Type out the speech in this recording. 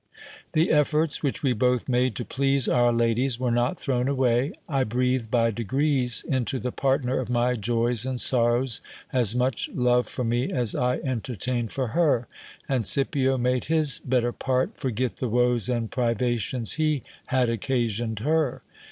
The efforts which we both made to please our ladies were not thrown away : I breathed by degrees into the partner of my joys and sorrows as much love for me as I entertained for her ; and Scipio made his better part forget the woes and privations he had occasioned her.